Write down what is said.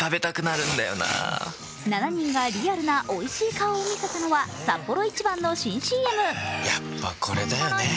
７人がリアルなおいしい顔を見せたのはサッポロ一番の新ＣＭ。